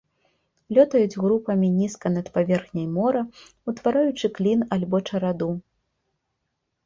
Лётаюць групамі нізка над паверхняй мора, утвараючы клін альбо чараду.